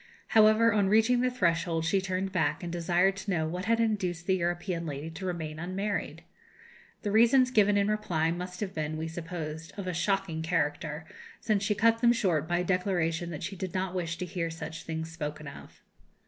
However, on reaching the threshold she turned back, and desired to know what had induced the European lady to remain unmarried. The reasons given in reply must have been, we suppose, of a shocking character, since she cut them short by a declaration that she did not wish to hear such things spoken of.